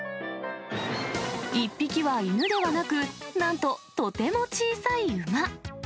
１匹は犬ではなく、なんととても小さい馬。